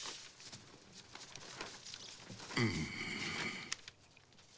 うん。